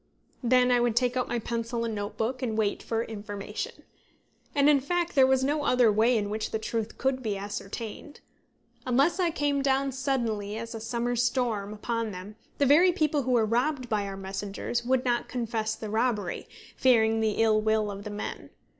Then I would take out my pencil and notebook, and wait for information. And in fact there was no other way in which the truth could be ascertained. Unless I came down suddenly as a summer's storm upon them, the very people who were robbed by our messengers would not confess the robbery, fearing the ill will of the men.